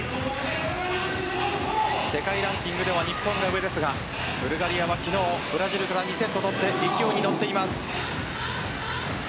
世界ランキングでは日本が上ですがブルガリアは昨日ブラジルから２セット取って勢いに乗っています。